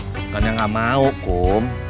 bukannya nggak mau kum